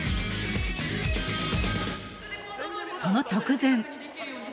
その直前。